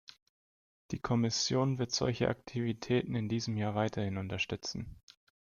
Die Kommission wird solche Aktivitäten in diesem Jahr weiterhin unterstützen.